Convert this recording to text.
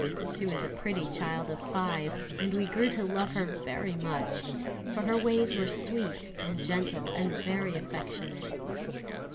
She was a pretty child of five, and we grew to love her very much; for her ways were sweet and gentle and very affectionate.